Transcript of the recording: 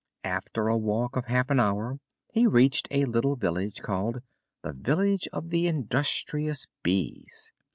After a walk of half an hour he reached a little village called "The Village of the Industrious Bees."